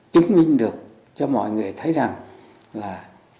chứng minh được cho mọi người thấy rằng là